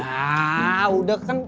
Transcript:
ya udah kan